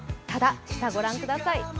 ただ、下を御覧ください。